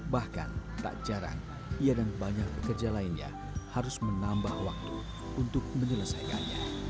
bahkan tak jarang ia dan banyak pekerja lainnya harus menambah waktu untuk menyelesaikannya